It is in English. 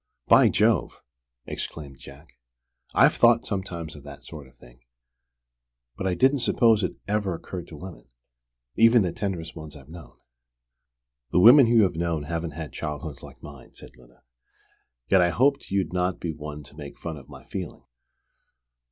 "By Jove!" exclaimed Jack. "I've thought sometimes of that sort of thing. But I didn't suppose it ever occurred to women, even the tenderest ones I've known." "The women you have known haven't had childhoods like mine," said Lyda. "Yet I hoped you'd not be one to make fun of my feeling.